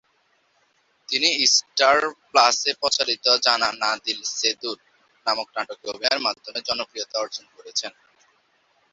তিনি স্টার প্লাসে প্রচারিত "জানা না দিল সে দূর" নামক নাটকে অভিনয়ের মাধ্যমে জনপ্রিয়তা অর্জন করেছেন।